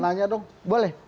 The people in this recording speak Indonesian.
nanya dong boleh